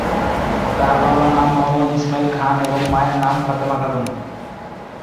তার বাবার নাম মোহাম্মদ ইসমাইল খান ও মা এর নাম ফাতেমা খানম।